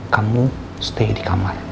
kamu stay di kamar